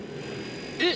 えっ！